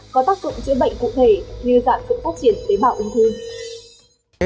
có tác dụng chữa bệnh cụ thể như dạng dụng quốc triển tế bào ung thư